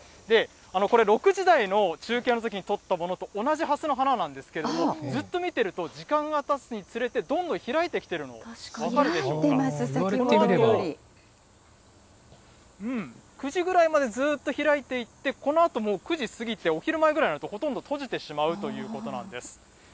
これ、６時台の中継のときにとったものと同じはすの花なんですけれども、ずっと見ていると、時間がたつにつれてどんどん開いてきているの、確かに開いています、先ほど９時ぐらいまでずっと開いていって、このあと９時過ぎて、お昼前ぐらいになると、ほとんど閉じてしまうということなんです。